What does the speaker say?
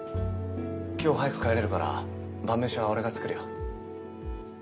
今日早く帰れるから晩飯は俺が作るよ。